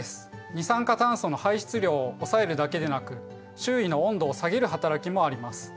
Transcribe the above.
二酸化炭素の排出量を抑えるだけでなく周囲の温度を下げる働きもあります。